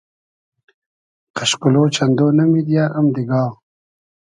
قئشقولۉ چئندۉ نۂ میدیۂ ام دیگا